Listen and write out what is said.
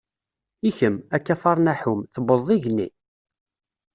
I kem, a Kafar Naḥum, tewwḍeḍ igenni?